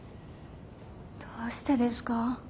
どうしてですか？